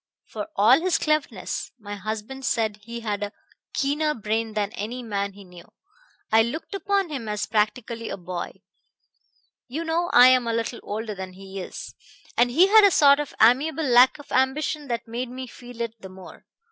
For all his cleverness my husband said he had a keener brain than any man he knew I looked upon him as practically a boy. You know I am a little older than he is, and he had a sort of amiable lack of ambition that made me feel it the more.